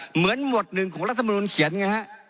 เหมือนหมวดหนึ่งของรัฐมนต์เขียน